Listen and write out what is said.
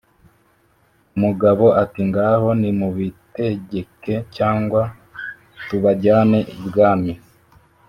Umugabo ati ngaho nimubitegeke cyangwa tubajyane ibwami"